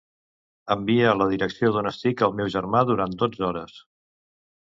Envia la direcció d'on estic al meu germà durant dotze hores.